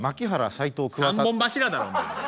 ３本柱だろお前。